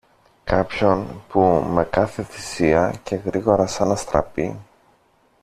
κάποιον που, με κάθε θυσία και γρήγορα σαν αστραπή